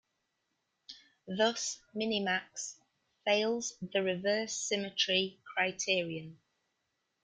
Thus, Minimax fails the Reversal symmetry criterion.